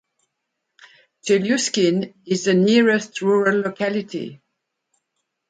Chelyuskin is the nearest rural locality.